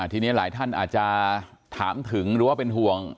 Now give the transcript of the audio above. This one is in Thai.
ทีนี้หลายท่านอาจจะถามถึงหรือว่าเป็นห่วง